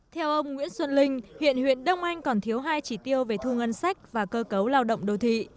theo ông nguyễn xuân linh hiện huyện đông anh còn thiếu hai chỉ tiêu về thu ngân sách và cơ cấu lao động đô thị